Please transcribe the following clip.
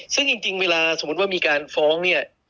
ซึ่งจริงเวลาสมมุติว่ามีการฟ้องเนี่ย